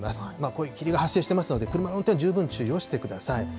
こういう霧が発生していますので、車の運転、十分注意をしてください。